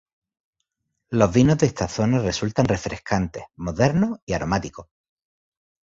Los vinos de esta zona resultan refrescantes, modernos y aromáticos.